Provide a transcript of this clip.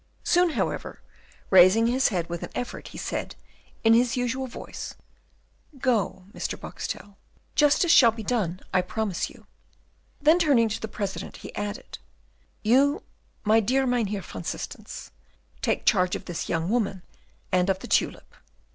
Soon, however, raising his head with an effort, he said, in his usual voice, "Go, Mr. Boxtel; justice shall be done, I promise you." Then, turning to the President, he added, "You, my dear Mynheer van Systens, take charge of this young woman and of the tulip.